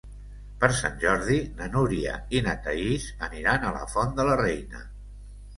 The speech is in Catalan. Per Sant Jordi na Núria i na Thaís aniran a la Font de la Reina.